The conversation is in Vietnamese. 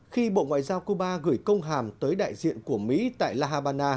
khi bộ ngoại giao cuba gửi công hàm tới đại diện của mỹ tại la habana